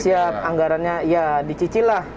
siap anggarannya ya dicicil lah